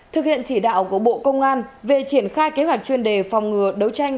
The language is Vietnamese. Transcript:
thực hiện chỉ đạo của bộ công an về triển khai kế hoạch chuyên đề phòng ngừa đấu tranh